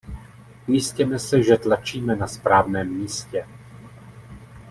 Ujistěme se, že tlačíme na správném místě.